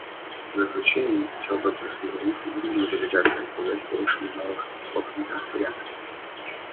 В заключение я хотел бы присоединиться к другим делегациям, приветствовавшим новых послов на Конференции.